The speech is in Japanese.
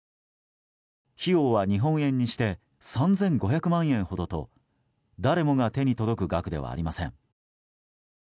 費用は日本円にして３５００万円ほどと誰もが手に届く額ではありません。